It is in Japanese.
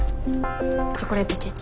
チョコレートケーキ。